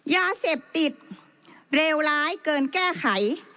ยาเสพติดเลวร้ายเกินแก้ไข